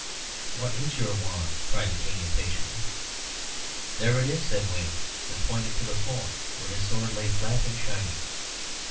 "What is your wand?" cried the King, impatiently. "There it is," said Wayne; and pointed to the floor, where his sword lay flat and shining.